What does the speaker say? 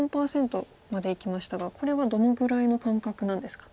６４％までいきましたがこれはどのぐらいの感覚なんですか。